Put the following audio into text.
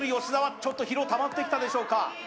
ちょっと疲労たまってきたでしょうか